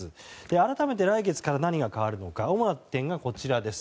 改めて、来月から何が変わるのか主な点がこちらです。